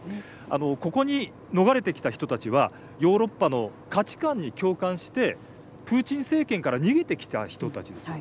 ここに逃れてきた人たちはヨーロッパの価値観に共感してプーチン政権から逃げてきた人たちです。